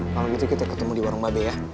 kalau gitu kita ketemu di warung babe ya